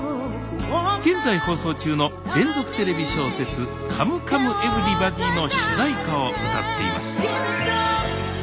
現在放送中の連続テレビ小説「カムカムエヴリバディ」の主題歌を歌っています